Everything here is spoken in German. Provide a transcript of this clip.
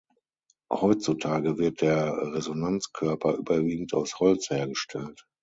Heutzutage wird der Resonanzkörper überwiegend aus Holz hergestellt.